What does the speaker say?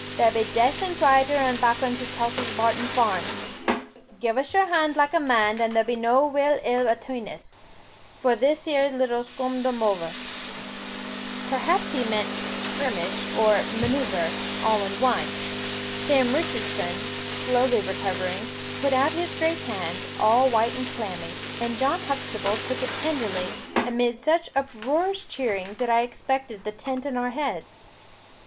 There be dacent zider and bakkon to Tossil's Barton Farm. Give us your hond like a man, there be no ill will atween us, for this here little skumdoover." Perhaps he meant skirmish and manoeuvre, all in one. Sam Richardson, slowly recovering, put out his great hand, all white and clammy, and John Huxtable took it tenderly, amid such uproarious cheering, that I expected the tent on our heads.